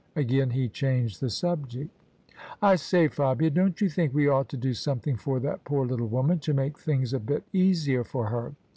Again he changed the subject. " I say, Fabia, don't you think we ought to do some thing for that poor little woman, to make things a bit easier for her?